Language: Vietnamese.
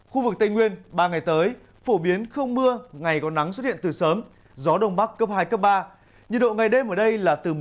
khu vực tây nguyên ba ngày tới phổ biến không mưa ngày có nắng xuất hiện từ sớm gió đông bắc cấp hai cấp ba nhiệt độ ngày đêm ở đây là từ hai mươi đến ba mươi độ